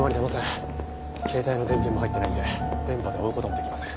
携帯の電源も入ってないんで電波で追う事もできません。